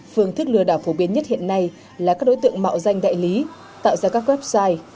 phương thức lừa đảo phổ biến nhất hiện nay là các đối tượng mạo danh đại lý tạo ra các website